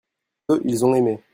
eux, ils ont aimé.